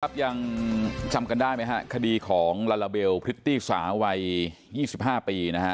ครับยังจำกันได้ไหมฮะคดีของลาลาเบลพริตตี้สาววัย๒๕ปีนะฮะ